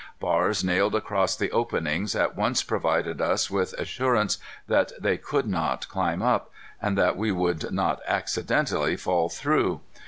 Bars nailed across the openings at once provided us with assurance that they could not climb up, and that we would not accidentally fall through.